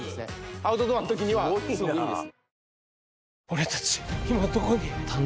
アウトドアの時にはいいです